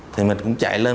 thì mình cũng chạy lên